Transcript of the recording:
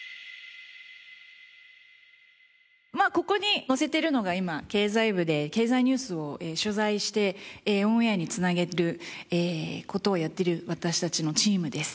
ここに載せてるのが今経済部で経済ニュースを取材してオンエアに繋げる事をやっている私たちのチームです。